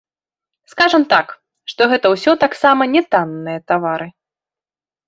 Скажам так, што гэта ўсё таксама не танныя тавары.